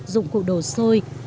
dụng cụ đồ xôi